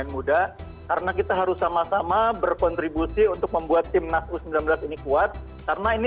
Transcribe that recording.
muda karena kita harus sama sama berkontribusi untuk membuat timnas u sembilan belas ini kuat karena ini